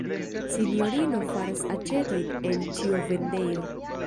Sinjorino faras aĉetojn en ĉiovendejo.